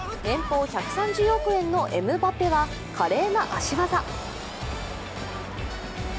年俸１３０億円のエムバペは華麗な足技。